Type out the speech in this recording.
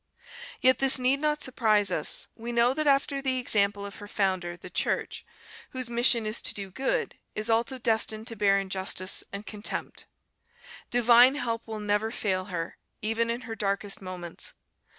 "Yet this need not surprise us; we know that after the example of her Founder, the Church, whose mission is to do good, is also destined to bear injustice and contempt. Divine help will never fail her, even in her darkest moments.